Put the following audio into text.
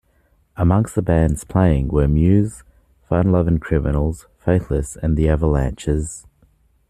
Amongst the bands playing were Muse, Fun Lovin' Criminals, Faithless and The Avalanches.